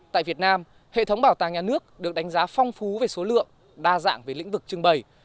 tại việt nam hệ thống bảo tàng nhà nước được đánh giá phong phú về số lượng đa dạng về lĩnh vực trưng bày